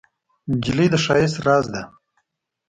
نجلۍ د ښایست راز ده.